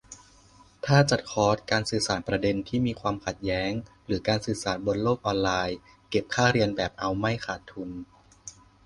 ถ้าจัดคอร์ส การสื่อสารประเด็นที่มีความขัดแย้ง หรือการสื่อสารบนโลกออนไลน์ เก็บค่าเรียนแบบเอาไม่ขาดทุน